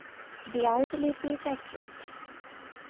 The outer lip is acute.